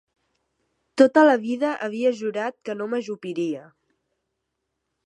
Tota la vida havia jurat que no m'ajupiria